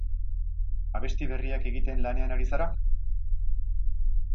Abesti berriak egiten lanean ari zara?